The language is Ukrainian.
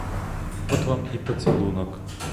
От вам і поцілунок!